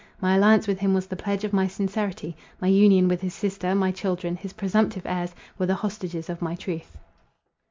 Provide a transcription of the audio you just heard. My alliance with him was the pledge of my sincerity, my union with his sister, my children, his presumptive heirs, were the hostages of my truth.